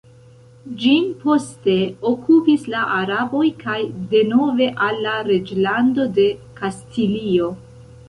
Ĝin poste okupis la araboj, kaj denove al la reĝlando de Kastilio.